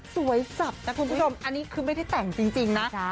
สับนะคุณผู้ชมอันนี้คือไม่ได้แต่งจริงนะ